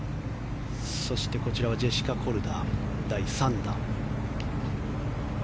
そしてこちらはジェシカ・コルダ第３打。